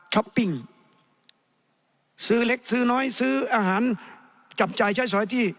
ปิ้งซื้อเล็กซื้อน้อยซื้ออาหารจับจ่ายใช้สอยที่